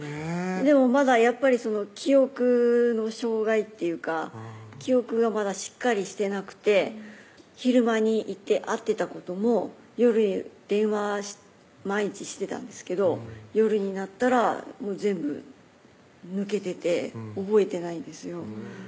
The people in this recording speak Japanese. でもまだやっぱり記憶の障害っていうか記憶がまだしっかりしてなくて昼間に行って会ってたことも夜電話毎日してたんですけど夜になったら全部抜けてて覚えてないんですよ